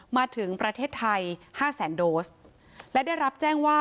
มาถึงประเทศไทยห้าแสนโดสและได้รับแจ้งว่า